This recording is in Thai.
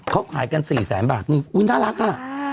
เขาขายกัน๔แสนบาทนี่อุ๊ยน่ารักอ่ะ